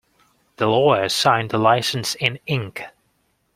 The lawyer signed the licence in ink.